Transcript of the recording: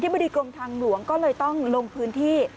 บดีกรมทางหลวงก็เลยต้องลงพื้นที่